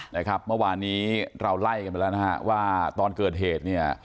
เมื่อวานี้เราไล่กันไปแล้วว่าตอนเกิดเหตุ